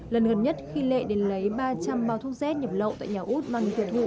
lần gần nhất khi lệ đến lấy ba trăm linh bao thuốc z nhập lậu tại nhà út mang thiệt vụ